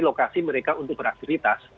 lokasi mereka untuk beraktivitas